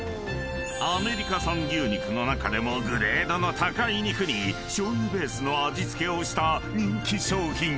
［アメリカ産牛肉の中でもグレードの高い肉にしょう油ベースの味付けをした人気商品］